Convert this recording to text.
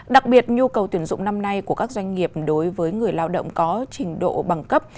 đặc biệt nhu cầu tuyển dụng năm nay của các doanh nghiệp đối với người lao động có trình độ bằng cấp